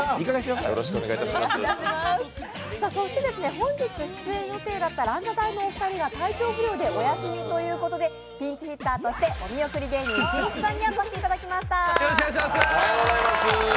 今日出演予定だったランジャタイが体調不良でお休みということでピンチヒッターとしてお見送り芸人しんいちさんにお越しいただきました。